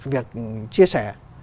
việc chia sẻ